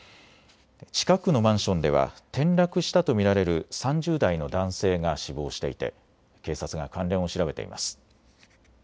近くのマンションでは転落したと見られる３０代の男性が死亡していて警察が関連を調べています。